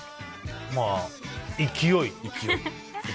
まあ、勢い。